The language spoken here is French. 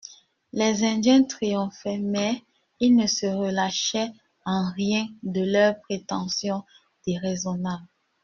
Les Indiens triomphaient, mais ils ne se relâchaient en rien de leurs prétentions déraisonnables.